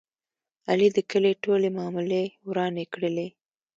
علي د کلي ټولې معاملې ورانې کړلې.